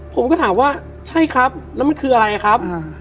ผมก็ถามว่าใช่ครับแล้วมันคืออะไรครับ